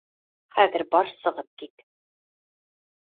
Хәҙер бар сығып кит!